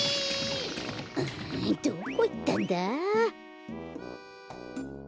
うんどこいったんだ？